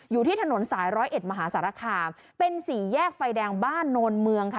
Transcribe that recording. อยู่ที่ถนนสาย๑๐๑มหาศาลคาเป็น๔แยกไฟแดงบ้านนวลเมืองค่ะ